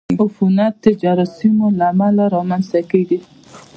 عفونت د جراثیمو له امله رامنځته کېږي.